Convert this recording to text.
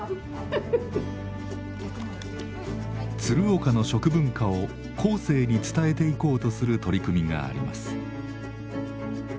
鶴岡の食文化を後世に伝えていこうとする取り組みがあります。